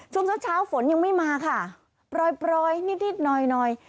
ช่วงเช้าฝนยังไม่มาค่ะปล่อยนิดหน่อย